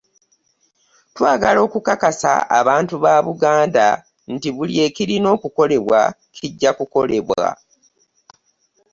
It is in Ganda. Twagala okukakasa abantu ba Buganda nti buli ekirina okukolebwa kijja kukolebwa